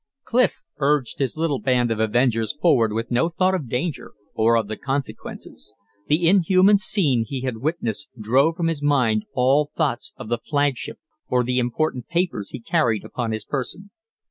Clif urged his little band of avengers forward with no thought of danger or of the consequences. The inhuman scene he had witnessed drove from his mind all thoughts of the flagship or the important papers he carried upon his person.